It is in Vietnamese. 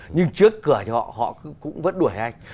nhưng trước cửa nhà họ cũng vẫn đuổi anh